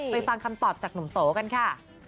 ฟังคำตอบจากหนุ่มโตกันค่ะ